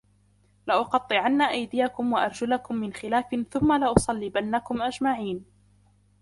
لَأُقَطِّعَنَّ أَيْدِيَكُمْ وَأَرْجُلَكُمْ مِنْ خِلَافٍ ثُمَّ لَأُصَلِّبَنَّكُمْ أَجْمَعِينَ